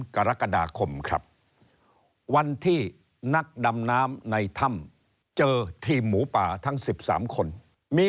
กรกฎาคมครับวันที่นักดำน้ำในถ้ำเจอทีมหมูป่าทั้ง๑๓คนมี